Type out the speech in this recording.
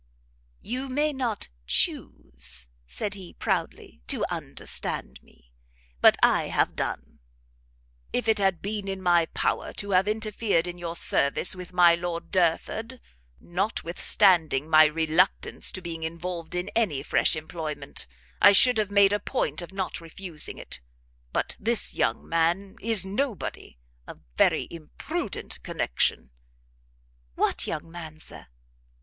"You may not chuse," said he, proudly, "to understand me; but I have done. If it had been in my power to have interfered in your service with my Lord Derford, notwithstanding my reluctance to being involved in any fresh employment, I should have made a point of not refusing it: but this young man is nobody, a very imprudent connection " "What young man, Sir?"